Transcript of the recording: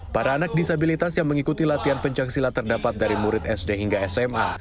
para anak disabilitas yang mengikuti latihan pencaksilat terdapat dari murid sd hingga sma